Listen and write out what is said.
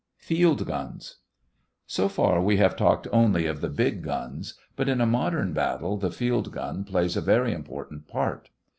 FIELD GUNS So far, we have talked only of the big guns, but in a modern battle the field gun plays a very important part.